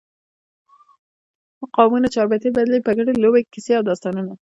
مقامونه، چاربیتې، بدلې، بګتی، لوبې، کیسې او داستانونه